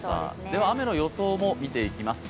では、雨の予想も見ていきます。